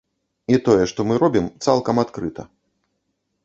І тое, што мы робім, цалкам адкрыта.